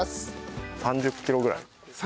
３０キロぐらい。